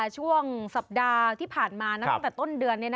ช่วงสัปดาห์ที่ผ่านมาตั้งแต่ต้นเดือน